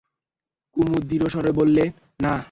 কুমু দৃঢ়স্বরে বললে, না।